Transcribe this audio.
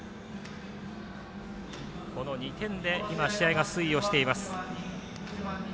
この２点で試合が推移しています。